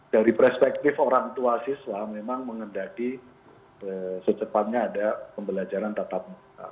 dari perspektif orang tua siswa memang mengendaki secepatnya ada pembelajaran tatap muka